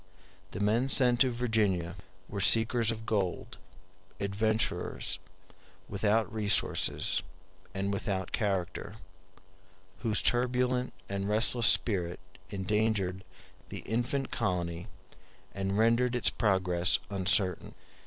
The men sent to Virginia *a were seekers of gold, adventurers, without resources and without character, whose turbulent and restless spirit endangered the infant colony, *b and rendered its progress uncertain.